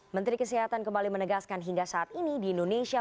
menteri kesehatan kembali menegaskan hingga saat ini di indonesia